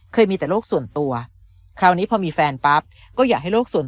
เคยมีแต่โลกส่วนตัวคราวนี้พอมีแฟนปั๊บก็อยากให้โลกส่วน